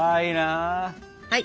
はい！